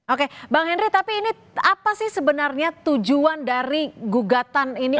oke bang henry tapi ini apa sih sebenarnya tujuan dari gugatan ini